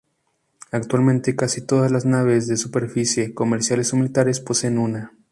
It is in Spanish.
Actualmente casi todas las naves de superficie, comerciales o militares poseen una.